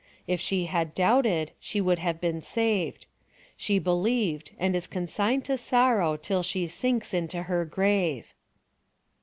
If she had doubted, she would have been saved. She believed, and is consigned to sorrow till she sinks into her grave.